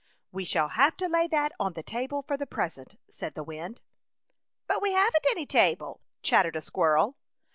We shall have to lay that on the table for the present,*' said the wind. " But we haven't any table,*' chat tered a squirrel.